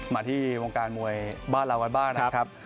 มาที่วงการมวยบ้านเรากันบ้างนะครับ